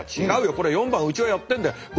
「違うよこれ４番うちがやってんだよ